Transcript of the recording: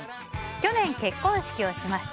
去年、結婚式をしました。